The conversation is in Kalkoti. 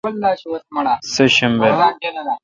سہ شنبہ